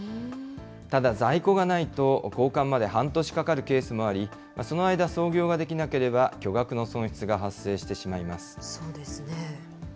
ただ在庫がないと、交換まで半年かかるケースもあり、その間、操業ができなければ、巨額の損失が発生してしまいます。